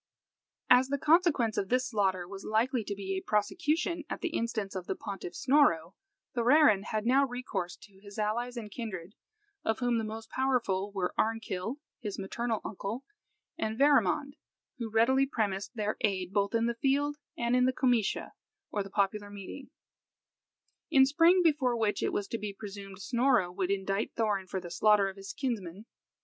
As the consequence of this slaughter was likely to be a prosecution at the instance of the pontiff Snorro, Thorarin had now recourse to his allies and kindred, of whom the most powerful were Arnkill, his maternal uncle, and Verimond, who readily premised their aid both in the field and in the Comitia, or popular meeting, in spring, before which it was to be presumed Snorro would indict Thorarin for the slaughter of his kinsman.